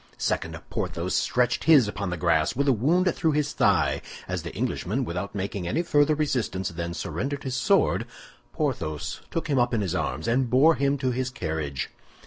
Second, Porthos stretched his upon the grass with a wound through his thigh, As the Englishman, without making any further resistance, then surrendered his sword, Porthos took him up in his arms and bore him to his carriage.